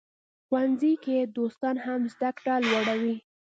ښوونځي کې دوستان هم زده کړه لوړوي.